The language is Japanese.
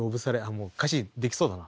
もう歌詞出来そうだな。